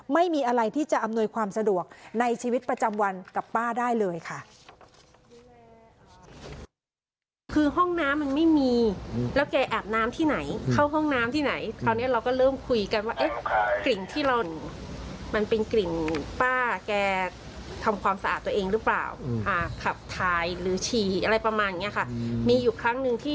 ไม่มีอะไรที่จะอำนวยความสะดวกในชีวิตประจำวันกับป้าได้เลยค่ะ